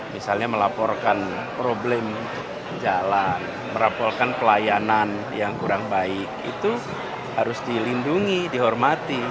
misalnya melaporkan problem jalan merapolkan pelayanan yang kurang baik itu harus dilindungi dihormati